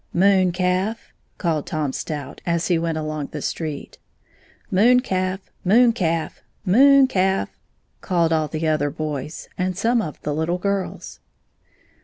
"Moon calf!" called Tom Stout, as he went along the street. " Moon calf! Moon calf! Moon calf! " called all the other boys and some of the Uttle girls.